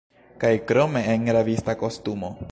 Kaj krome, en rabista kostumo!